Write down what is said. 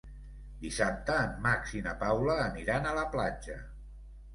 Dissabte en Max i na Paula aniran a la platja.